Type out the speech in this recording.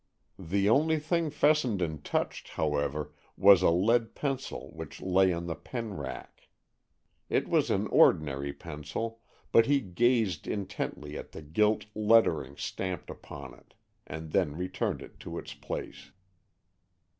The only thing Fessenden touched, however, was a lead pencil which lay on the pen rack. It was an ordinary pencil, but he gazed intently at the gilt lettering stamped upon it, and then returned it to its place.